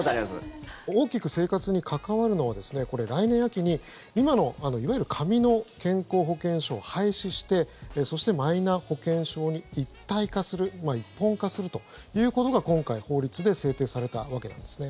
大きく生活に関わるのはこれ、来年秋に今の、いわゆる紙の健康保険証を廃止してそしてマイナ保険証に一体化する一本化するということが今回、法律で制定されたわけなんですね。